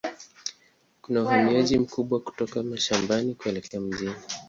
Kuna uhamiaji mkubwa kutoka mashambani kuelekea mjini.